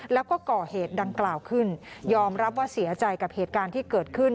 แล้วก็ก่อเหตุดังกล่าวขึ้นยอมรับว่าเสียใจกับเหตุการณ์ที่เกิดขึ้น